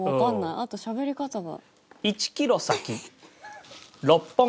あとしゃべり方が。